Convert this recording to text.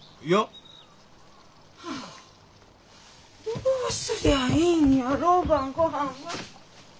どうすりゃいいんやろ晩ごはんは。